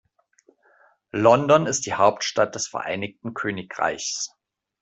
London ist die Hauptstadt des Vereinigten Königreichs.